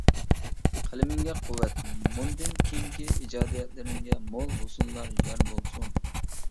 قەلىمىڭگە قۇۋۋەت، مۇندىن كېيىنكى ئىجادىيەتلىرىڭگە مول-ھوسۇللار يار بولسۇن.